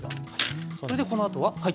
それでこのあとは。